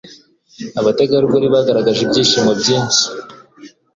abategarugori bagaragaje ibyishimo byinshi